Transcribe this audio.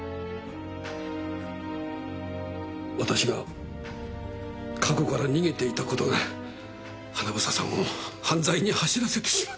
私が過去から逃げていた事が英さんを犯罪に走らせてしまった。